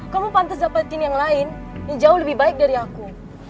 kamu pantas dapatin yang lain yang jauh lebih baik dari aku